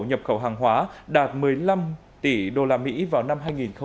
nhập khẩu hàng hóa đạt một mươi năm tỷ usd vào năm hai nghìn hai mươi